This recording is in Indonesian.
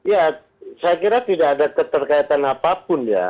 ya saya kira tidak ada keterkaitan apapun ya